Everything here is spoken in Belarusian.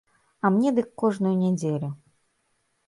А мне дык кожную нядзелю.